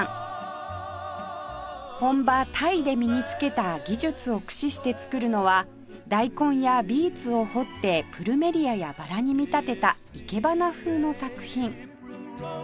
本場タイで身につけた技術を駆使して作るのはダイコンやビーツを彫ってプルメリアやバラに見立てた生け花風の作品